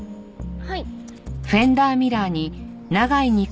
はい。